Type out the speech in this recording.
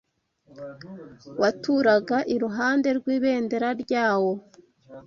waturaga iruhande rw’ibendera ryawo